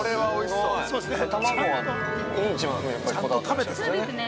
◆そうですね。